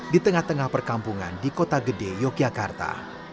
di tengah tengah perkampungan di kota gede yogyakarta